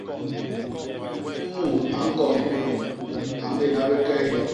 Mut a ñkon hilulu a mbéna bé ke hilo.